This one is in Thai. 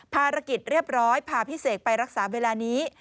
ภารกิจเรียบร้อยพาพี่เสกไปรักษาเวลานี้